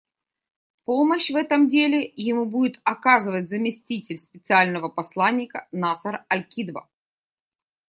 Помощь в этом деле ему будет оказывать заместитель Специального посланника Насер аль-Кидва.